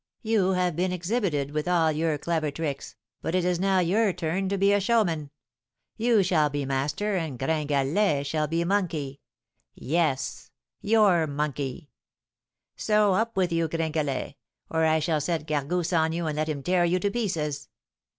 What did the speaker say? You have been exhibited with all your clever tricks, but it is now your turn to be showman. You shall be master, and Gringalet shall be monkey, yes, your monkey. So up with you, Gringalet, or I shall set Gargousse on you, and let him tear you to pieces!'